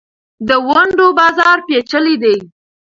د ونډو بازار پېچلی دی.